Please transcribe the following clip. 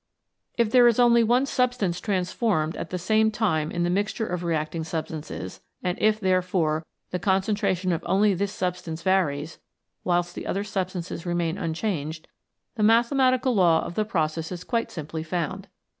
If there is only one 76 VELOCITY OF REACTIONS substance transformed at the same time in the mixture of reacting substances, and if, therefore, the concentration of only this substance varies, whilst the other substances remain unchanged, the mathematical law of the process is quite simply found.